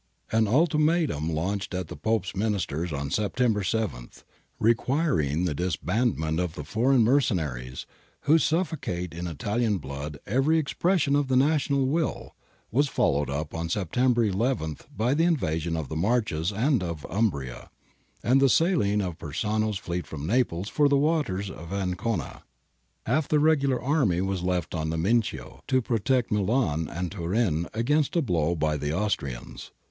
An ultimatum launched at the Pope's Ministers ' Chiala, iii. 360361, iv. 3, 13. ' Appendix A, p. 312 below. CAVOUR STRIKES 215 on September 7, requiring the disbandment of the foreign mercenaries, ' who suffocate in Italian blood every ex pression of the national will,' was followed up on Sep tember 1 1 by the invasion of the Marches and of Umbria, and the sailing of Persano's fleet from Naples for the waters of Ancona. Half the regular army was left on the Mincio, to protect Milan and Turin against a blow by the Austrians.